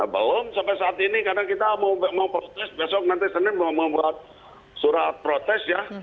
belum sampai saat ini karena kita mau protes besok nanti senin mau membuat surat protes ya